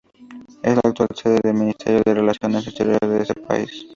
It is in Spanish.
Es la actual sede el Ministerio de Relaciones Exteriores de ese país.